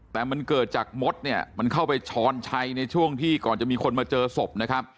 แต่มันเกิดจากมดเข้าไปช้อนชัยในช่วงที่ก่อนจะมีคนมาเจอศพ